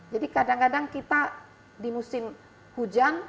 jadi kadang kadang kita di musim hujan